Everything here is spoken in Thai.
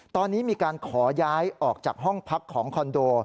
ตอนนี้มีการขอย้ายออกจากห้องพักของคอนโด